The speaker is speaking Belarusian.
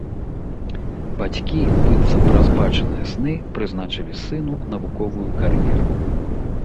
Бацькі, быццам праз бачаныя сны, прызначылі сыну навуковую кар'еру.